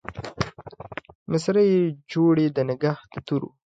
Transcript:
مسرۍ يې جوړې د نګهت د تورو